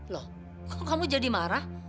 loh kok kamu jadi marah